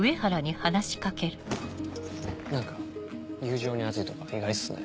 何か友情に厚いとか意外っすね。